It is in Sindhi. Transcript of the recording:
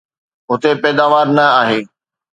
هتي پيداوار نه آهي؟